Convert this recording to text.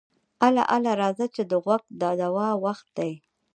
اله اله راځه چې د غوږ د دوا وخت دی.